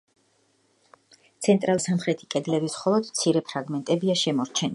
ცენტრალური ნავის ჩრდილოეთი და სამხრეთი კედლების მხოლოდ მცირე ფრაგმენტებია შემორჩენილი.